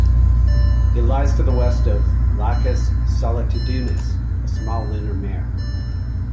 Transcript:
It lies to the west of the Lacus Solitudinis, a small lunar mare.